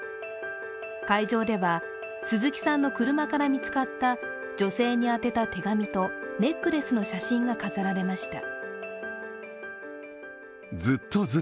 会場では鈴木さんの車から見つかった女性に宛てた手紙とネックレスの写真が飾られました。